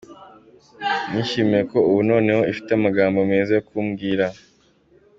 Nishimiye ko ubu noneho ufite amagambo meza yo kumbwira.